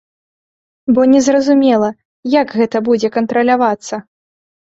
Бо незразумела, як гэта будзе кантралявацца.